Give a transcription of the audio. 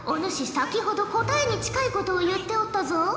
先ほど答えに近いことを言っておったぞ。